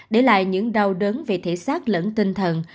để lại những đau đớn về thể xác lẫn tinh thần